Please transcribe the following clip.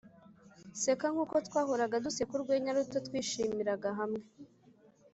seka nkuko twahoraga duseka urwenya ruto twishimiraga hamwe.